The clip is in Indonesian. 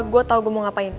gue tau gue mau ngapain